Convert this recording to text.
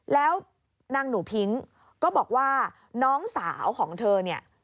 แล้วนางหนูพิ้งก็บอกว่าน้องสาวของเธอเนี่ย